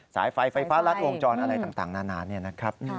สายไฟไฟฟ้ารัฐวงจรอะไรต่างนานนะครับ